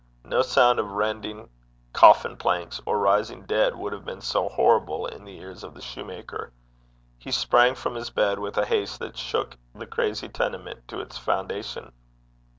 No sound of rending coffin planks or rising dead would have been so horrible in the ears of the soutar. He sprang from his bed with a haste that shook the crazy tenement to its foundation.